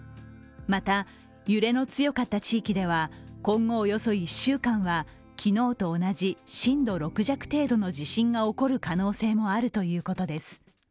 また、揺れの強かった地域では今後およそ１週間は昨日と同じ、震度６弱程度の地震が起こる可能性もあるということです。